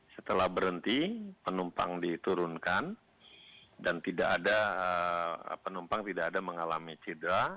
setelah berhenti penumpang diturunkan dan tidak ada penumpang tidak ada mengalami cedera